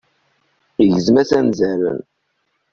Igezm-as anzaren.